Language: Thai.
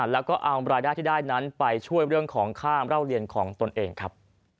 แล้วก็เอารายได้ที่ได้นั้นไปช่วยเรื่องของค่าเล่าเรียนของตนเองครับ